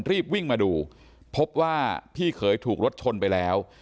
รีบวิ่งมาดูพบว่าพี่เคยถูกรถชนไปแล้ว